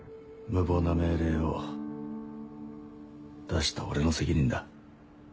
無謀な命令を出した俺の責任だ。